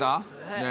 ねえ。